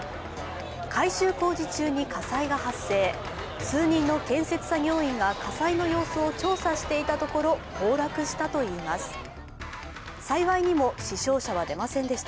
改修工事中に火災が発生数人の建設作業員が火災の様子を調査していたところ崩落したといいます。